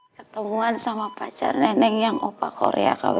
ketemuan sama pacar nenek yang opa korea kb dua